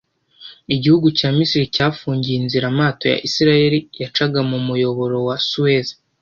Igihugu cya Misiri cyafungiye inzira amato ya Israel yacaga mu muyoboro wa Suez